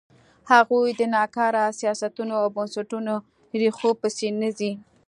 هغوی د ناکاره سیاستونو او بنسټونو ریښو پسې نه ځي.